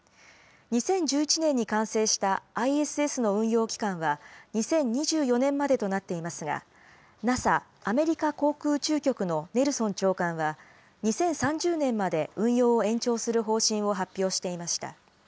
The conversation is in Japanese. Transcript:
２０１１年に完成したＩＳＳの運用期間は２０２４年までとなっていますが、ＮＡＳＡ・アメリカ航空宇宙局のネルソン長官は、２０３０年まで運用を延長する方針を発表していました。